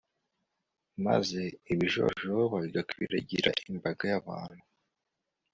maze ibijojoba bigakwiragira imbaga y'abantu